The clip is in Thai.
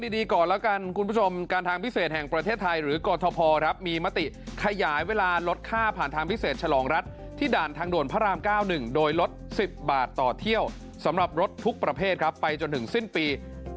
ดีก่อนแล้วกันคุณผู้ชมการทางพิเศษแห่งประเทศไทยหรือกรทพมีมติขยายเวลาลดค่าผ่านทางพิเศษฉลองรัฐที่ด่านทางด่วนพระราม๙๑โดยลด๑๐บาทต่อเที่ยวสำหรับรถทุกประเภทครับไปจนถึงสิ้นปี